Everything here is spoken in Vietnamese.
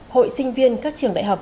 hội sinh viên các trường đại học